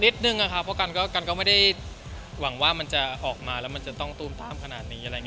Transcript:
นิดนึงนะครับเพราะกันก็ไม่ได้หวังว่ามันจะออกมาแล้วมันจะต้องตูมตามขนาดนี้อะไรอย่างนี้